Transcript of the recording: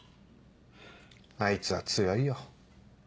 あいつは強いよ。